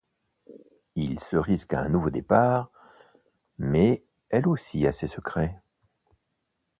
Il se risque à un nouveau départ, mais elle aussi a ses secrets.